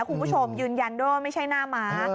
คุณผู้ชมยืนยันด้วยว่าไม่ใช่หน้าม้า